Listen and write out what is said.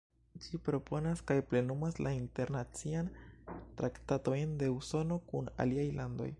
Ĝi proponas kaj plenumas la internacian traktatojn de Usono kun aliaj landoj.